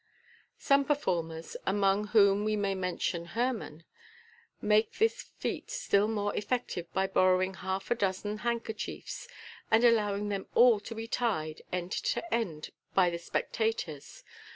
Some performers (among whom we may mention Herrmann) make this feat still more effective by borrowing half a dozen hand kerchiefs, and allowing them all to be tied end to end by the spec tators.